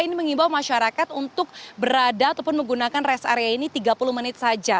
ini mengimbau masyarakat untuk berada ataupun menggunakan rest area ini tiga puluh menit saja